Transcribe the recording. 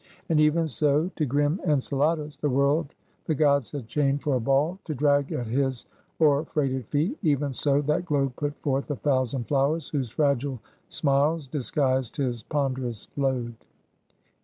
And even so, to grim Enceladus, the world the gods had chained for a ball to drag at his o'erfreighted feet; even so that globe put forth a thousand flowers, whose fragile smiles disguised his ponderous load.